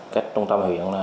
cách trung tâm huyện